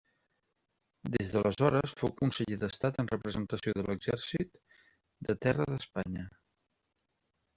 Des d'aleshores fou conseller d'Estat en representació de l'Exèrcit de Terra d'Espanya.